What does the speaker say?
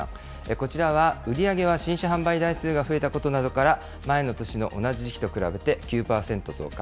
こちらは売り上げは新車販売台数が増えたことなどから、前の年の同じ時期と比べて９％増加。